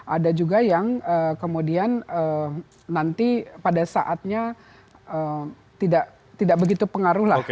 ada juga yang kemudian nanti pada saatnya tidak begitu pengaruh lah